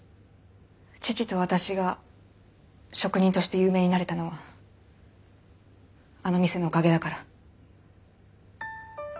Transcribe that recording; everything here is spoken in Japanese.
父と私が職人として有名になれたのはあの店のおかげだから。